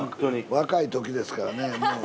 若い時ですからねもう。